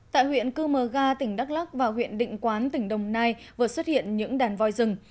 tại huyện cư mờ ga tỉnh đắk lắc và huyện định quán tỉnh đồng nai vừa xuất hiện những đàn voi rừng